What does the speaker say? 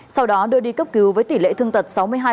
sau đó đưa đi cấp cứu với tỷ lệ thương tật sáu mươi hai